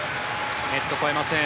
ネット越えません。